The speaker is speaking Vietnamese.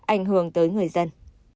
ảnh hưởng tới người dân